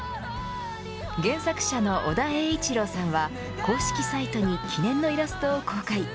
原作者の尾田栄一郎さんは公式サイトに記念のイラストを公開。